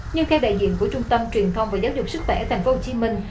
như theo đại diện của trung tâm truyền thông và giáo dục sức khỏe thành phố hồ chí minh